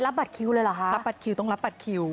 รับบัตรคิวเลยเหรอคะรับบัตรคิวต้องรับบัตรคิว